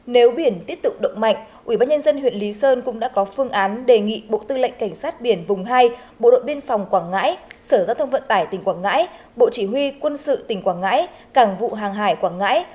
nếu biển tiếp tục động mạch ubnd huyện lý sơn cũng đã có phương án đề nghị bộ tư lệnh cảnh sát biển vùng hai bộ đội biên phòng quảng ngãi sở giao thông vận tải tỉnh quảng ngãi bộ chỉ huy quân sự tỉnh quảng ngãi cảng vụ hàng hải quảng ngãi